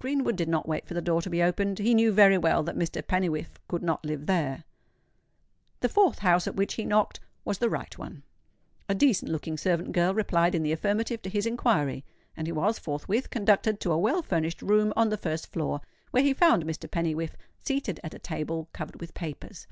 Greenwood did not wait for the door to be opened; he knew very well that Mr. Pennywhiffe could not live there. The fourth house at which he knocked was the right one. A decent looking servant girl replied in the affirmative to his inquiry; and he was forthwith conducted to a well furnished room on the first floor, where he found Mr. Pennywhiffe seated at a table covered with papers.